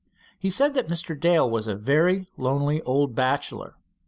He said that Mr. Dale was a very lonely old bachelor.